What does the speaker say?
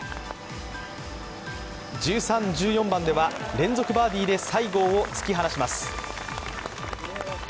１３・１４番では連続バーディーで西郷を突き放します。